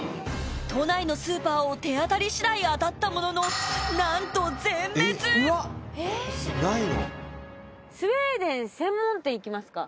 都内のスーパーを手当たり次第当たったもののなんと全滅行きますか。